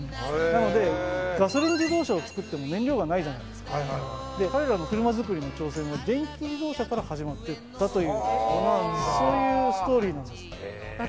なのでガソリン自動車を作っても燃料がないじゃないですか彼らの車作りの挑戦は電気自動車から始まってったというそういうストーリーなんです私